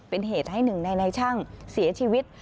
เป็นเหตุให้หนึ่งในในช่างเสียชีวิต